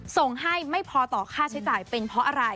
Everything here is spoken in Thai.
ส่งให้ไม่พอต่อค่าใช้จ่ายเป็นเพราะอะไร